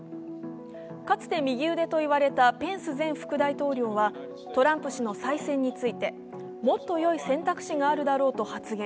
かつて右腕といわれたペンス前副大統領はトランプ氏の再選についてもっとよい選択肢があるだろうと発言。